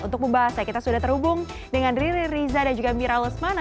untuk membahasnya kita sudah terhubung dengan riri riza dan juga mira lesmana